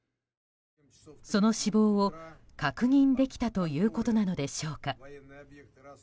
その死亡を確認できたということなのでしょうか。